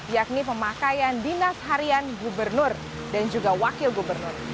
yakni pemakaian dinas harian gubernur dan juga wakil gubernur